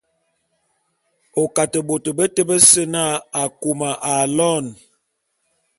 O Kate bôt beté bese na Akôma aloene.